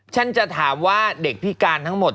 ฉันจะถามว่าเด็กพิการทั้งหมด